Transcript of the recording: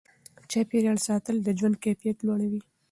چاپیریال ساتل د ژوند کیفیت لوړوي.